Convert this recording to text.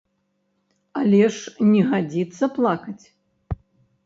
Але ж не гадзіцца плакаць!